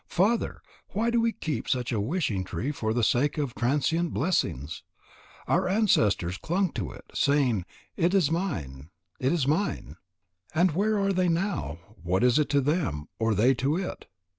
Father! Why do we keep such a wishing tree for the sake of transient blessings? Our ancestors clung to it, saying: It is mine, it is mine.' And where are they now? What is it to them, or they to it?